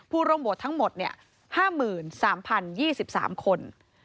ผู้ร่วมโหวตทั้งหมดเนี่ย๕๓๐๒๓คน